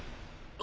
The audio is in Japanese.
あ！